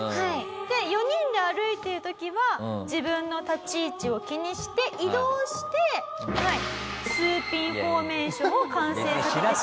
で４人で歩いてる時は自分の立ち位置を気にして移動してスーピンフォーメーションを完成させてしまうと。